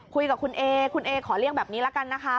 คุยกับคุณเอคุณเอขอเรียกแบบนี้ละกันนะคะ